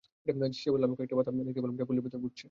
সে বলল, আমি কয়েকটি পতাকা দেখতে পেলাম যা পল্লীর ভিতর উড়ছে।